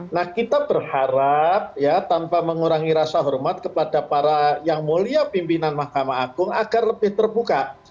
nah kita berharap ya tanpa mengurangi rasa hormat kepada para yang mulia pimpinan mahkamah agung agar lebih terbuka